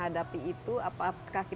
luas untuk memiliki